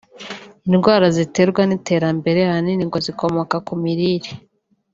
Indwara ziterwa n’iterambere ahanini ngo zikomoka ku mirire